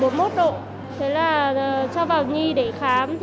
tốt đến bốn mươi một độ cho vào nhi để khám